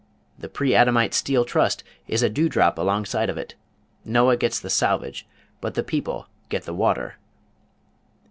The Preadamite Steel Trust is a dewdrop alongside of it. Noah gets the salvage, but the people get the water!"